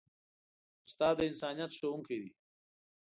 استاد د انسانیت ښوونکی دی.